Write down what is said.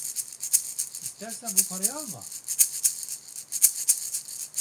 İstersen bu parayı alma!